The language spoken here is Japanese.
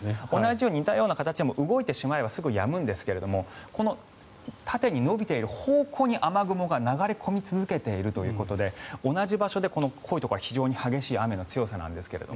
似たような形でも動いてしまえばすぐやむんですが縦に延びている方向に雨雲が流れ込み続けているということで同じ場所で濃いところは非常に激しい雨の強さなんですが。